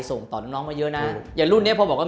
ส่งต่อน้องน้องมาเยอะนะอย่างรุ่นเนี้ยพอบอกว่า